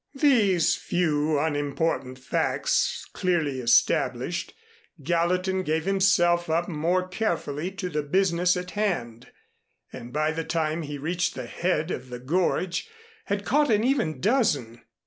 These few unimportant facts clearly established, Gallatin gave himself up more carefully to the business in hand, and by the time he reached the head of the gorge, had caught an even dozen.